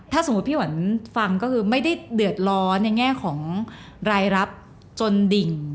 ถ้าสมมุติพี่หวันฟังก็คือไม่ได้เดือดร้อนในแง่ของรายรับจนดิ่ง